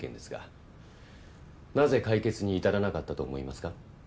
なぜ解決に至らなかったと思いますか？